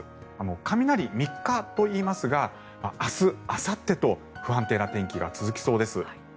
雷３日といいますが明日あさってと不安定な天気が続きそうです。